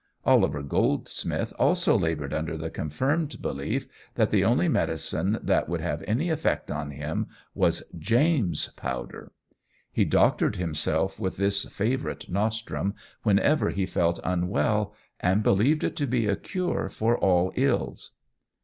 Oliver Goldsmith also laboured under the confirmed belief that the only medicine that would have any effect on him was "James' Powder." He doctored himself with this favourite nostrum whenever he felt unwell, and believed it to be a cure for all ills.